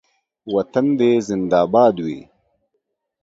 وطن دې زنده باد وي